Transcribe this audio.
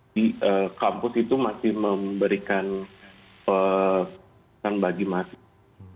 di kampus itu masih memberikan bagi mahasiswa